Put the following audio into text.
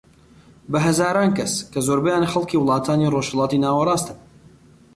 بە هەزاران کەس کە زۆربەیان خەڵکی وڵاتانی ڕۆژهەلاتی ناوەڕاستن